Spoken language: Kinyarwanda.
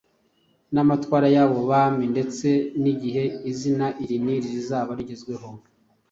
n’amatwara y’abo bami ndetse n’igihe izina iri n’iri rizaba rigezweho.